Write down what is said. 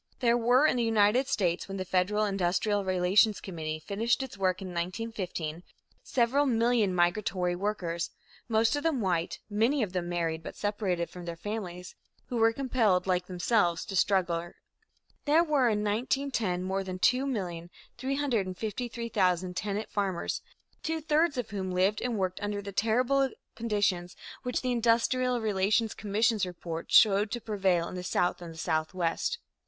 There were in the United States, when the Federal Industrial Relations Committee finished its work in 1915, several million migratory workers, most of them white, many of them married but separated from their families, who were compelled, like themselves, to struggle with dire want. There were in 1910 more than 2,353,000 tenant farmers, two thirds of whom lived and worked under the terrible conditions which the Industrial Relations Commission's report showed to prevail in the South and Southwest.